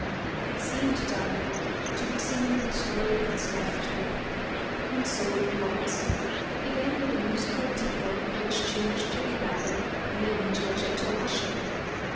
It seemed to Diamond to be singing the story of its life to him. And so it was. It began with a musical tinkle which changed to a babble and then to a gentle rushing.